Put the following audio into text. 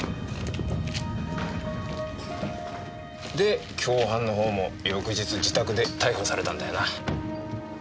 で共犯のほうも翌日自宅で逮捕されたんだよな。